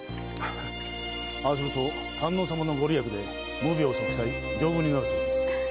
ああすると観音さまのご利益で無病息災丈夫になるそうです。